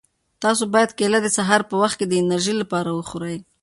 تاسو باید کیله د سهار په وخت کې د انرژۍ لپاره وخورئ.